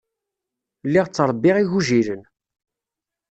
Lliɣ ttṛebbiɣ igujilen.